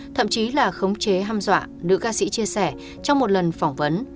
thậm chí là khống chế ham dọa nữ ca sĩ chia sẻ trong một lần phỏng vấn